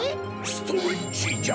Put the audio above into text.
ストレッチジャ！